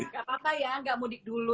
gak apa apa ya nggak mudik dulu